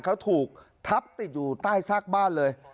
เขาถูกทับติดอยู่ใต้ซากบ้านเลย